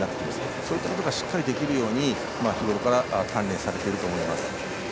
そういったことがしっかりできるように日ごろから鍛錬されていると思います。